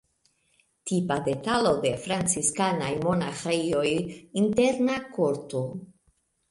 Tipa detalo de franciskanaj monaĥejoj: interna korto.